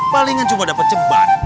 palingan cuma dapet jebat